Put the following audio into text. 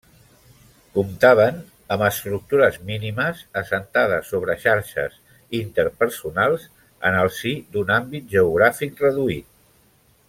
Comptaven amb estructures mínimes, assentades sobre xarxes interpersonals en el si d'un àmbit geogràfic reduït.